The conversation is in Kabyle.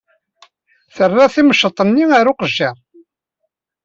Terra timceḍt-nni ɣer yikejjir.